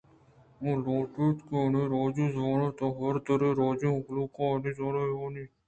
ءُ آ لوٹ ایت کہ منی راجی زبان ءِ تہ ءَ ھر دری راجانی مھلوک مئے زبان ءَ بہ وان اَنت۔